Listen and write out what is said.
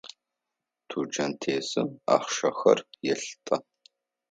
Тучантесым ахъщэхэр елъытэ.